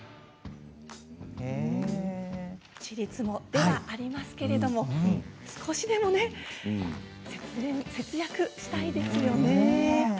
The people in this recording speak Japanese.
ちりつもではありますけれど少しでもね節電、節約したいですよね。